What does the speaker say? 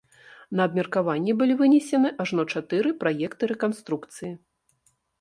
На абмеркаванне былі вынесены ажно чатыры праекты рэканструкцыі.